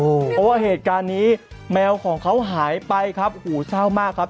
เพราะว่าเหตุการณ์นี้แมวของเขาหายไปครับหูเศร้ามากครับ